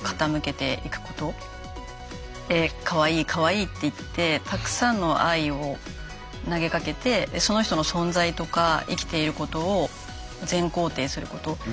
「かわいいかわいい」って言ってたくさんの愛を投げかけてその人の存在とか生きていることを全肯定すること。